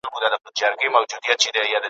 امن راغلی ډوډۍ دي نه وي ,